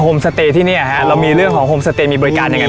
มสเตย์ที่เนี่ยฮะเรามีเรื่องของโฮมสเตย์มีบริการยังไง